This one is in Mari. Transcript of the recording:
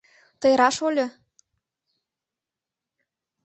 Тый раш ойло!